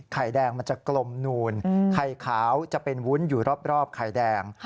ไข่แดงมันจะกลมนูนไข่ขาวจะเป็นวุ้นอยู่รอบไข่แดง